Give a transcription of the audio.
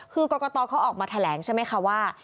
คือกรกตเขาออกมาแถลงใช่ไหมคะว่า